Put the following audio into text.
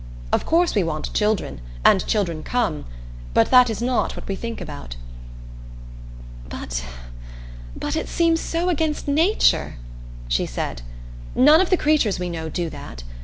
Of course we want children, and children come but that is not what we think about." "But but it seems so against nature!" she said. "None of the creatures we know do that.